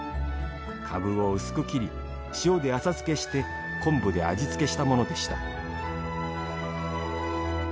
かぶを薄く切り、塩で浅漬けして昆布で味付けしたものでした。